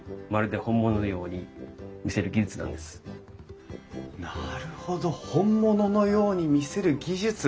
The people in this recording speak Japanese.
これをなるほど本物のように見せる技術！